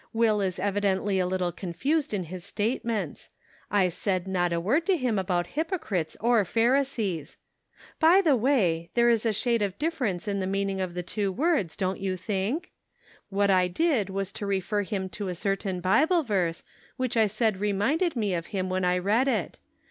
Will is evidently a little confused in his statements. I "Yet Lackest Thou ." 155 said not a word to him about hypocrites or Pharisees. By the way, there is a shade of difference in the meaning of the two words, don't you think? What I did was to refer him to a certain Bible verse which I said re minded me of him when I read it.